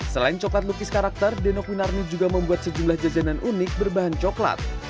selain coklat lukis karakter denok winarni juga membuat sejumlah jajanan unik berbahan coklat